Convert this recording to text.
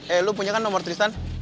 eh lu punya kan nomor tristan